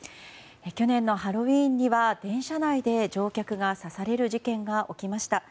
去年のハロウィーンには電車内で乗客が刺される事件がありました。